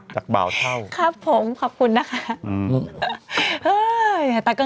จากเบาเท่าครับผมขอบคุณนะคะ